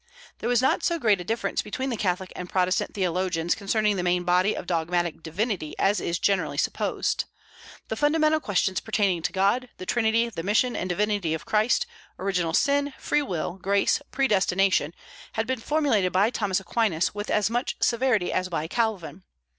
There was not so great a difference between the Catholic and Protestant theologians concerning the main body of dogmatic divinity as is generally supposed. The fundamental questions pertaining to God, the Trinity, the mission and divinity of Christ, original sin, free will, grace, predestination, had been formulated by Thomas Aquinas with as much severity as by Calvin.